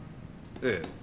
ええ。